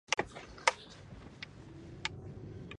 د استما لپاره د تورې دانې تېل وکاروئ